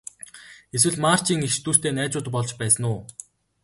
Эсвэл Марчийн эгч дүүстэй найзууд болж байсан уу?